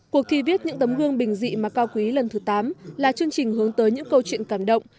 cuộc thi viết những tấm gương bình dị mà cao quý lần thứ tám là chương trình hướng tới những câu chuyện cảm động